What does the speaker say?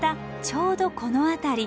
ちょうどこの辺り。